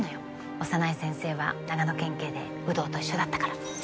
小山内先生は長野県警で有働と一緒だったから。